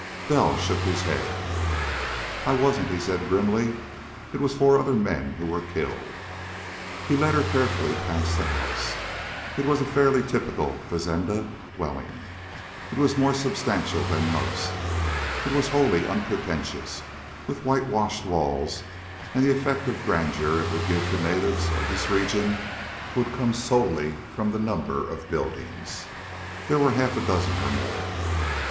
Bell shook his head. "I wasn't," he said grimly. "It was four other men who were killed." He led her carefully past the house. It was a fairly typical fazenda dwelling, if more substantial than most. It was wholly unpretentious, with whitewashed walls, and the effect of grandeur it would give to natives of this region would come solely from the number of buildings. There were half a dozen or more.